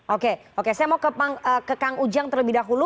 oke oke saya mau ke kang ujang terlebih dahulu